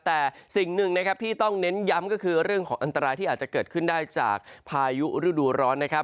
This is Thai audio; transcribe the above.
แต่สิ่งหนึ่งนะครับที่ต้องเน้นย้ำก็คือเรื่องของอันตรายที่อาจจะเกิดขึ้นได้จากพายุฤดูร้อนนะครับ